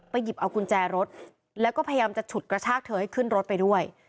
หยิบเอากุญแจรถแล้วก็พยายามจะฉุดกระชากเธอให้ขึ้นรถไปด้วย